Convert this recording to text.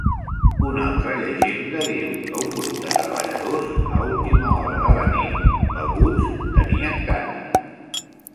Una altra llegenda diu que un grup de treballadors, a última hora de la nit, beguts, tenien gana.